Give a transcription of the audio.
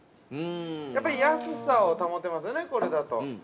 やっぱり、安さを保てますよね、これだと。